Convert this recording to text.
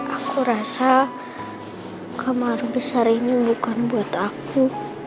aku rasa kamar besar ini bukan buat aku